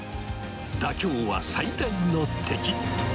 妥協は最大の敵。